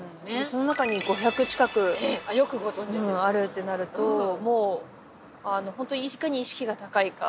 その中に５００近くええよくご存じであるってなるともうホントいかに意識が高いか